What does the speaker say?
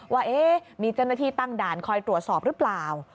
ว่ามีเจ้าหน้าที่ตั้งด่านคอยตรวจสอบหรือเปล่า